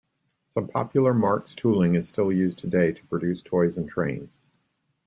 Some popular Marx tooling is still used today to produce toys and trains.